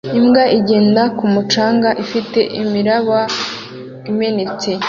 Imbwa igenda ku mucanga ufite imiraba imenetse